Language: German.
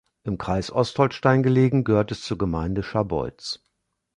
Im Kreis Ostholstein gelegen, gehört es zur Gemeinde Scharbeutz.